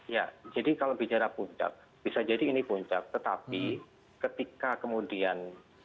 ya jadi kalau bicara puncak bisa jadi ini puncak tetapi ketika kemudian